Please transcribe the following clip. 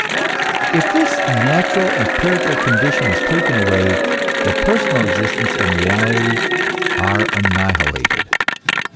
If this na tural empirical condition is taken away, their personal exist ence and reality are annihilated.